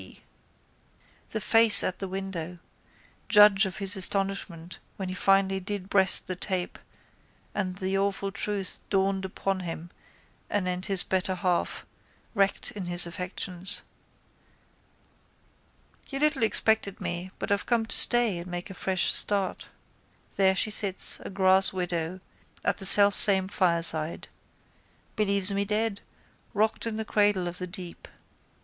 The face at the window! Judge of his astonishment when he finally did breast the tape and the awful truth dawned upon him anent his better half, wrecked in his affections. You little expected me but I've come to stay and make a fresh start. There she sits, a grasswidow, at the selfsame fireside. Believes me dead, rocked in the cradle of the deep.